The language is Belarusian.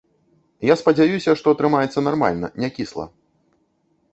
Я спадзяюся, што атрымаецца нармальна, не кісла.